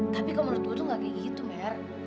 tapi kamu menurut gue tuh gak kayak gitu mer